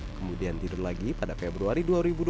kemudian tidur lagi pada februari dua ribu dua puluh